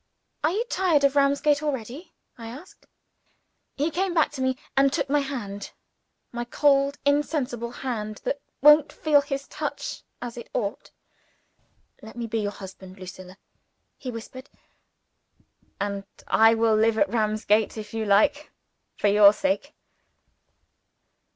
"Are you tired of Ramsgate already?" I asked. He came back to me, and took my hand my cold insensible hand that won't feel his touch as it ought! "Let me be your husband, Lucilla," he whispered; "and I will live at Ramsgate if you like for your sake."